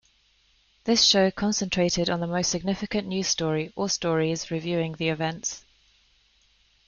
This show concentrated on the most significant news story or stories, reviewing the events.